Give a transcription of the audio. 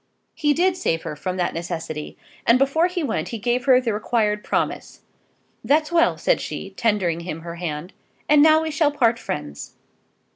He did save her from that necessity, and before he went he gave her the required promise. "That's well," said she, tendering him her hand; "and now we shall part friends."